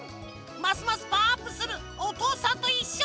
ますますパワーアップする「おとうさんといっしょ」